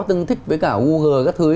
tương thích với cả google các thứ